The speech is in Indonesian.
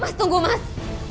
mas tunggu mas